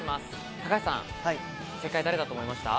高橋さん、正解は誰だと思いました？